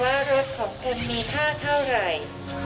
ว่ารถของคุณมีค่าเท่าไหร่